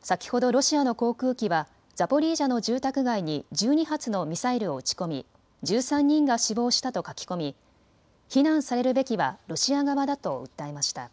先ほどロシアの航空機はザポリージャの住宅街に１２発のミサイルを撃ち込み１３人が死亡したと書き込み非難されるべきはロシア側だと訴えました。